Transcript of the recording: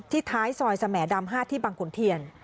ที่ท้ายซอยสะแหมดำฮาดที่บังขุนเทียน